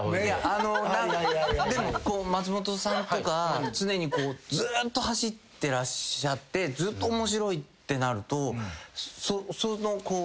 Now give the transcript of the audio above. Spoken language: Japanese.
松本さんとか常にずっと走ってらっしゃってずっと面白いってなると。